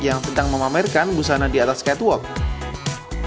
yang sedang memamerkan busana di atas catwalk